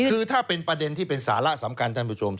คือถ้าเป็นประเด็นที่เป็นสาระสำคัญ